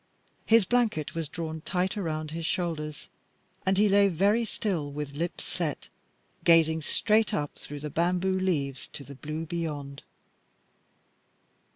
His blanket was drawn tight around his shoulders, and he lay very still, with lips set, gazing straight up through the bamboo leaves to the blue beyond.